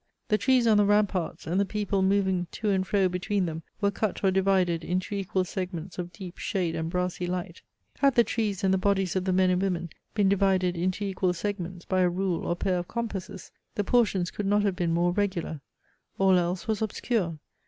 The trees on the ramparts, and the people moving to and fro between them, were cut or divided into equal segments of deep shade and brassy light. Had the trees, and the bodies of the men and women, been divided into equal segments by a rule or pair of compasses, the portions could not have been more regular. All else was obscure.